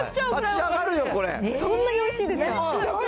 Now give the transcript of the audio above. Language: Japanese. そんなにおいしいですか。